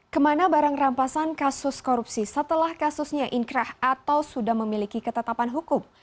kemana barang rampasan kasus korupsi setelah kasusnya inkrah atau sudah memiliki ketetapan hukum